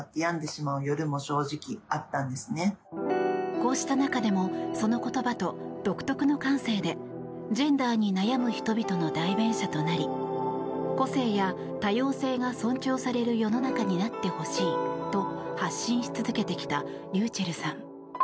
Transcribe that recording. こうした中でもその言葉と、独特の感性でジェンダーに悩む人々の代弁者となり個性や多様性が尊重される世の中になってほしいと発信し続けてきたｒｙｕｃｈｅｌｌさん。